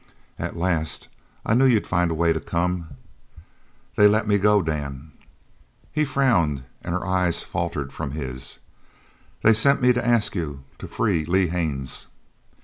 At last: "I knew you'd find a way to come." "They let me go, Dan." He frowned, and her eyes faltered from his. "They sent me to you to ask you to free Lee Haines!"